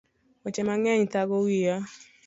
Weche mang'eny thago wiya